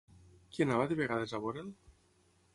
Qui anava de vegades a veure'l?